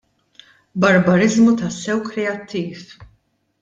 Barbariżmu tassew kreattiv!